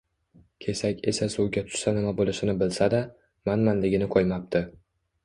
Kesak esa suvga tushsa nima bo‘lishini bilsa-da, manmanligini qo‘ymabdi